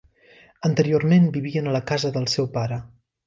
Anteriorment vivien a la casa del seu pare.